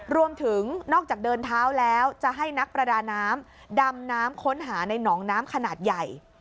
รวมถึงนอกจากเดินเท้าแล้วจะให้นักประดาน้ำดำน้ำค้นหาในหนองน้ำขนาดใหญ่